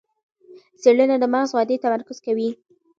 څېړنه د مغز ودې تمرکز کوي.